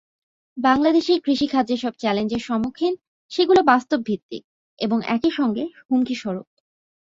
বাংলাদেশের কৃষি খাত যেসব চ্যালেঞ্জের সম্মুখীন, সেগুলো বাস্তবভিত্তিক এবং একই সঙ্গে হুমকিস্বরূপ।